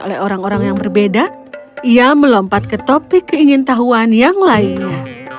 oleh orang orang yang berbeda ia melompat ke topik keingin tahuan yang lainnya